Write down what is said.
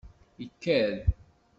Ikad!